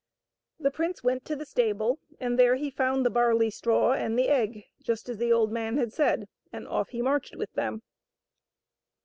The prince went to the stable, and there he found the barley straw and the egg, just as the old man had said, and off he marched with them.